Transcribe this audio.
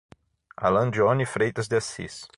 Alan Johnny Freitas de Assis